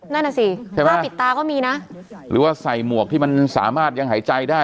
นั่นน่ะสิผ้าปิดตาก็มีนะหรือว่าใส่หมวกที่มันสามารถยังหายใจได้